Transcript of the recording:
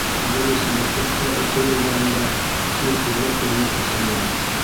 Айырыуса мәктәптә уҡыу йылдарында сир күҙгә күренеп көсәйә.